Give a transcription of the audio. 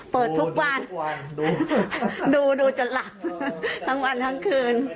เปิดทุกวันดูดูจะหลับทั้งวันทั้งคืน